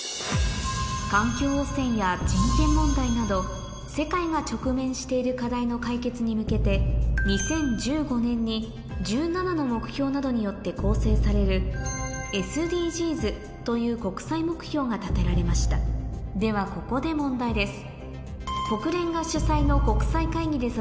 環境汚染や人権問題など世界が直面している課題の解決に向けて２０１５年に１７の目標などによって構成されるＳＤＧｓという国際目標が立てられましたではここで問題です